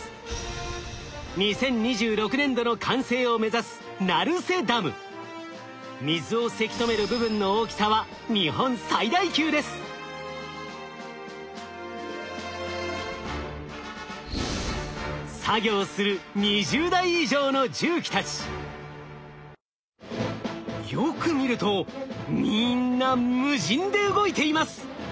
２０２６年度の完成を目指す水をせき止める部分の大きさは作業するよく見るとみんな無人で動いています。